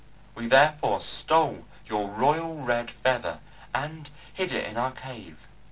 We therefore stole your Royal Red Feather, and hid it in our cave.